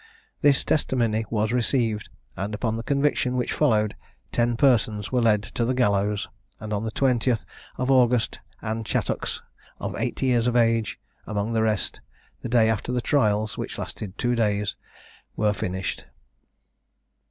This testimony was received; and upon the conviction, which followed, ten persons were led to the gallows, on the twentieth of August, Anne Chattox, of eighty years of age, among the rest, the day after the trials, which lasted two days, were finished.